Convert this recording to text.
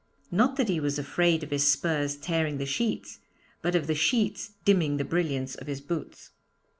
Not that he was afraid of his spurs tearing the sheets, but of the sheets dimming the brilliance of his boots.